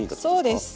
そうです。